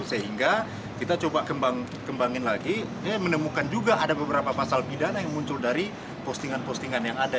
sehingga kita coba kembangin lagi dia menemukan juga ada beberapa pasal pidana yang muncul dari postingan postingan yang ada